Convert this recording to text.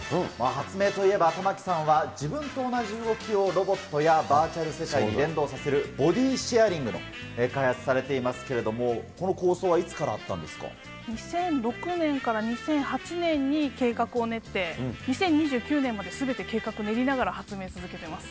発明といえば玉城さんは、自分と同じ動きをロボットやバーチャル世界に連動させるボディシェアリングを開発されていますけれども、この構想はいつからあっ２００６年から２００８年に計画を練って、２０２９年まですべて計画練りながら発明を続けてます。